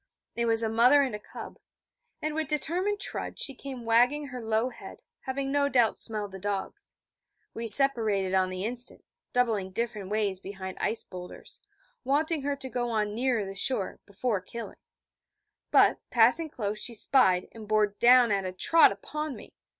It was a mother and cub: and with determined trudge she came wagging her low head, having no doubt smelled the dogs. We separated on the instant, doubling different ways behind ice boulders, wanting her to go on nearer the shore, before killing; but, passing close, she spied, and bore down at a trot upon me.